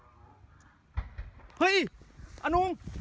อิอลีท